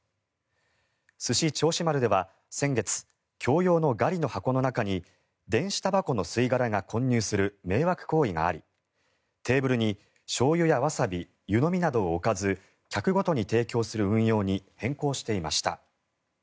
すし銚子丸では先月共用のガリの箱の中に電子タバコの吸い殻が混入する迷惑行為がありテーブルにしょうゆやワサビ湯飲みなどを置かず客ごとに提供する運用に変更していました。